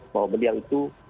bahwa beliau itu